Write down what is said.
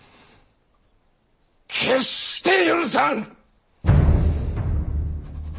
決して許さぬ！